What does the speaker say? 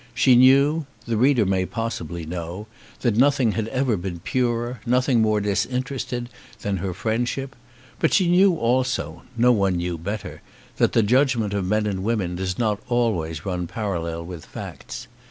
She knew the reader may possibly know that nothing had ever been purer, nothing more disinterested than her friendship. But she knew also, no one knew better, that the judgment of men and women does not always run parallel with facts.